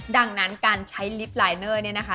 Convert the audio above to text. ดังนั้นการใช้ลิฟต์ลายเนอร์เนี่ยนะคะ